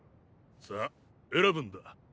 さ選ぶんだ。